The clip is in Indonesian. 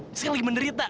dia sekarang lagi menderita